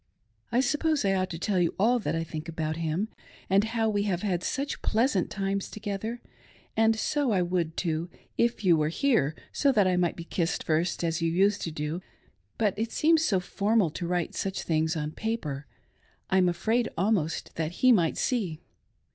I suppose I ought to tell you all that I think about him, and how we have had such pleasant times together, — and so I would, too, if you were here so that I might be kissed first, as you used to do ; but it seems so formal to write such things on paper ;■ I'm afraid almost that he might see.